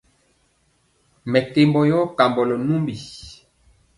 Mɛkembɔ yɔ kombolɔ numbi.